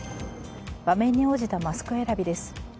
場面に応じたマスク選びです。